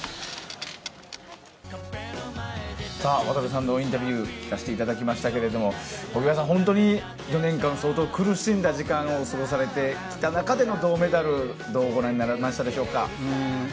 渡部さんのインタビューを聞かせていただきましたが荻原さん、本当に４年間相当苦しんだ時間を過ごされていた中での銅メダルどうご覧になられましたでしょうか。